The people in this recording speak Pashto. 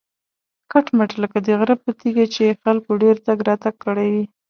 کټ مټ لکه د غره پر تیږه چې خلکو ډېر تګ راتګ کړی وي.